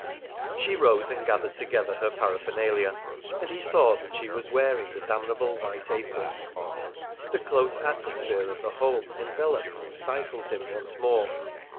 She rose and gathered together her paraphernalia, and he saw that she was wearing the damnable white apron. The close atmosphere of the home enveloped and stifled him once more.